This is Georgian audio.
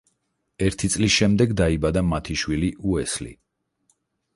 ერთი წლის შემდეგ დაიბადა მათი შვილი, უესლი.